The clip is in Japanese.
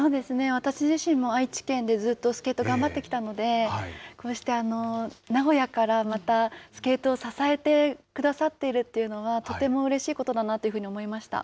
私自身も愛知県でずっとスケート頑張ってきたので、こうして名古屋から、また、スケートを支えてくださっているというのは、とてもうれしいことだなというふうに思いました。